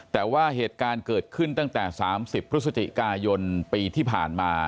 แต่ว่าเหตุการณ์เกิดขึ้นตั้งแต่๓๐พฤศจิกายนปีที่ผ่านมา